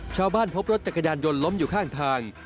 พบรถจักรยานยนต์ล้มอยู่ข้างทาง